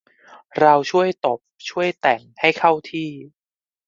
เราช่วยตบ ช่วยแต่ง ให้เข้าที่